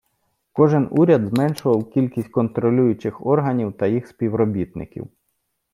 Кожен Уряд зменшував кількість контролюючих органів та їх співробітників.